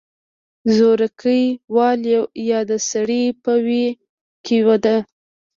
زورکۍ واله يا د سړۍ په ویي کې ده